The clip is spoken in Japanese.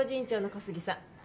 小杉さん